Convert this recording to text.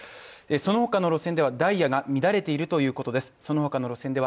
そのほかの路線ではダイヤが乱れているということです。